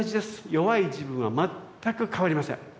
弱い自分は全く変わりません。